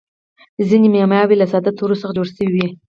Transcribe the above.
ځیني معماوي له ساده تورو څخه جوړي سوي يي.